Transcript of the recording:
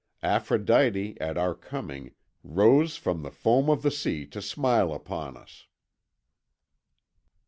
Aphrodite at our coming rose from the foam of the sea to smile upon us."